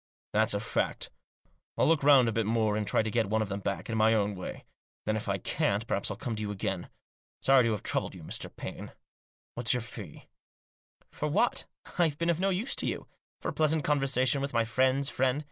That's a fact. I'll look round a bit more, and try to get one of them back, in my own way. Then, if I can't, perhaps I'll come to you again. Sorry to have troubled you, Mr. Paine. What's your fee ?"" For what ? I've been of no use to you. For a pleasant conversation with my friend's friend